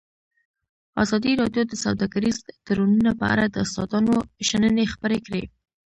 ازادي راډیو د سوداګریز تړونونه په اړه د استادانو شننې خپرې کړي.